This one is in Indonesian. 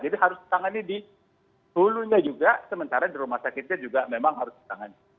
jadi harus tangani di tulunya juga sementara di rumah sakitnya juga memang harus tangani